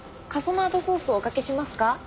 カソナードソースをおかけしますか？